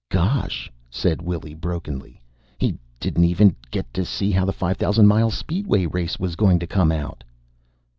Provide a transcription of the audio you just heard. '" "Gosh," said Willy brokenly, "he didn't even get to see how the 5000 mile Speedway Race was going to come out."